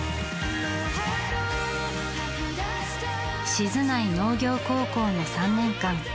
静内農業高校の３年間。